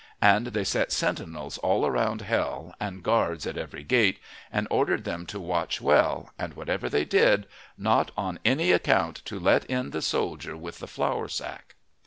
And they set sentinels all round hell, and guards at every gate, and ordered them to watch well, and, whatever they did, not on any account to let in the soldier with the flour sack.